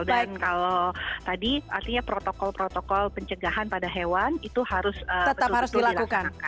dan kalau tadi artinya protokol protokol pencegahan pada hewan itu harus dilakukan